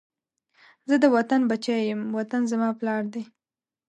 زه د وطن بچی یم، وطن زما پلار دی